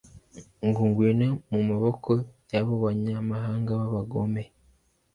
ngo igwe mu maboko y'abo banyamahanga b'abagome